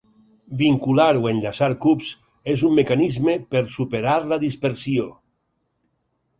Vincular o enllaçar cubs és un mecanisme per superar la dispersió.